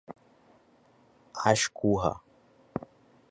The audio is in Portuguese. Ascurra